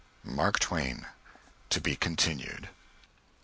MARK TWAIN. (_To be Continued.